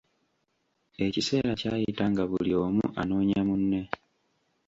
Ekiseera kyayita nga buli omu anoonya munne .